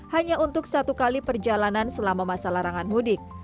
hanya untuk satu kali perjalanan selama masa larangan mudik